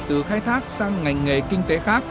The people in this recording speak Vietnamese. từ khai thác sang ngành nghề kinh tế khác